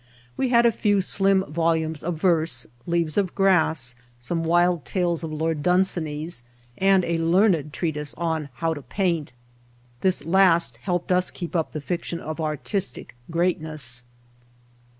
We had a few slim volumes of verse, "Leaves of Grass," some w^ild tales of Lord Dunsany's and a learned treatise on how to paint. This last helped us to keep up the fiction of artistic greatness.